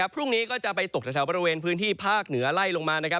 พรุ่งนี้ก็จะไปตกแถวบริเวณพื้นที่ภาคเหนือไล่ลงมานะครับ